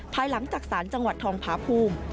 ภายหลังจากศาลจังหวัดทองผาภูมิ